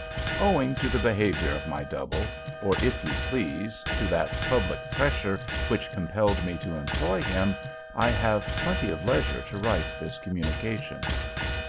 Owing to the behavior of my double, or, if you please, to that public pressure which compelled me to employ him, I have plenty of leisure to write this communication.